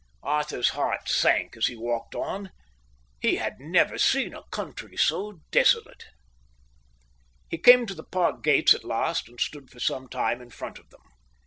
Arthur's heart sank as he walked on. He had never seen a country so desolate. He came to the park gates at last and stood for some time in front of them.